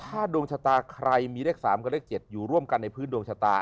ถ้าดวงชะตาใครมีเลข๓กับเลข๗อยู่ร่วมกันในพื้นดวงชะตา